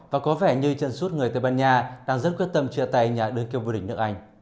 và có vẻ như chân suốt người tây ban nha đang rất quyết tâm chia tay nhà đơn kiếp vua đỉnh nước anh